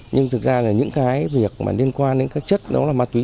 nhưng thực ra những việc liên quan đến các chất đó là ma túy